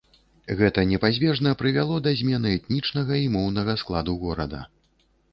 Гэта непазбежна прывяло да змены этнічнага і моўнага складу горада.